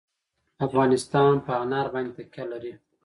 افغانستان په انار باندې تکیه لري.